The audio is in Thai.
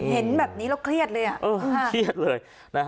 เห็นแบบนี้แล้วเครียดเลย